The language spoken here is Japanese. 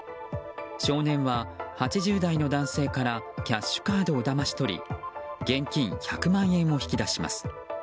少年は８０代の男性からキャッシュカードをだまし取り現金１００万円を引き出します。